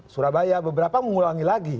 surabaya beberapa mengulangi lagi